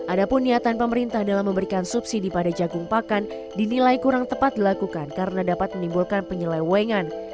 ada pun niatan pemerintah dalam memberikan subsidi pada jagung pakan dinilai kurang tepat dilakukan karena dapat menimbulkan penyelewengan